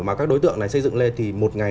mà các đối tượng này xây dựng lên thì một ngày